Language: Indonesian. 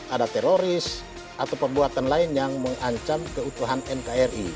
ada teroris atau perbuatan lain yang mengancam keutuhan nkri